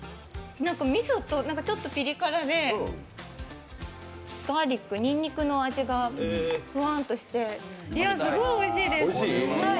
みそと、ちょっとピリ辛でガーリック、にんにくの味がふわんとしてすごいおいしいです。